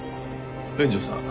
連城さん。